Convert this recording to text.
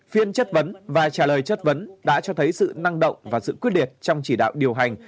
phiên chất vấn và trả lời chất vấn đã cho thấy sự năng động và sự quyết liệt trong chỉ đạo điều hành